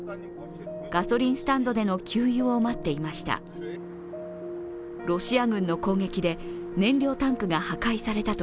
ガソリンスタンドでの給油を待っていました。